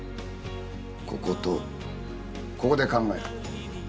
こことここで考えろ。